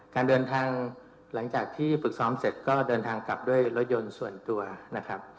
การเดินทางหลังจากที่ฝึกซ้อมเสร็จก็เดินทางกลับด้วยรถยนต์ส่วนตัวนะครับ